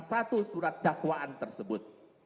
satu surat dakwaan tersebut